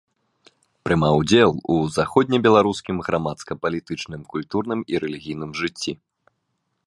Прымаў удзел у заходнебеларускім грамадска-палітычным, культурным і рэлігійным жыцці.